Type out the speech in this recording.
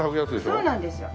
そうなんですよ。